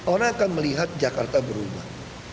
orang akan melihat jakarta berubah